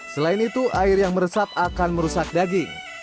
selain itu air yang meresap akan merusak daging